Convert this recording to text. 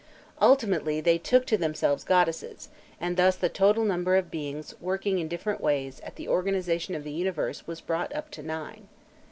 Ultimately they took to themselves goddesses, and thus the total number of beings working in different ways at the organization of the universe was brought up to nine.